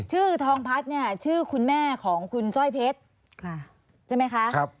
ชื่อทองพัฒน์เนี่ยชื่อคุณแม่ของคุณสร้อยเพชรใช่ไหมคะ